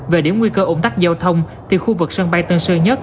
về điểm nguy cơ ủng tắc giao thông thì khu vực sân bay tân sơn nhất